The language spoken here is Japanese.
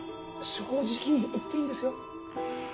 正直に言っていいんですよ？